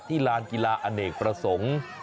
ลานกีฬาอเนกประสงค์